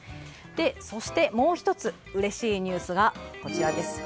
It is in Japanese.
そして、もう１つうれしいニュースがこちら。